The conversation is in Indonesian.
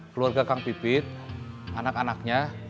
keluarga kang pipit anak anaknya